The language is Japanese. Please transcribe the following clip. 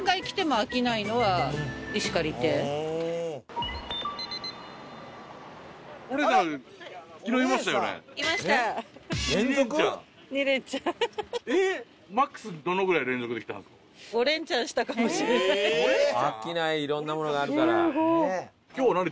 飽きないいろんなものがあるから。